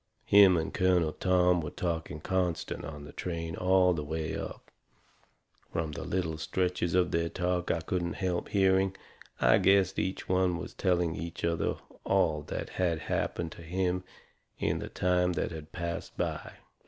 Him and Colonel Tom were talking constant on the train all the way up. From the little stretches of their talk I couldn't help hearing, I guessed each one was telling the other all that had happened to him in the time that had passed by.